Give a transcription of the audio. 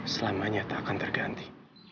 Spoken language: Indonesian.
selamanya tak akan terganti